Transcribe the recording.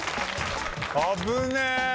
危ねえ！